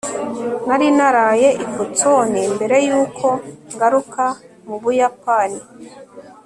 nari naraye i boston mbere yuko ngaruka mu buyapani